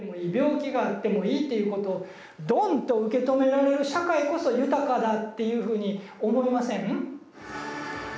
病気があってもいいっていうことをドンと受け止められる社会こそ豊かだっていうふうに思いません？